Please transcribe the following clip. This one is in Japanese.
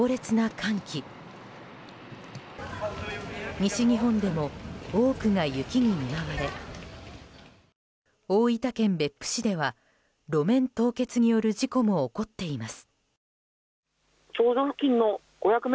西日本でも多くが雪に見舞われ大分県別府市では路面凍結による事故も起こっています。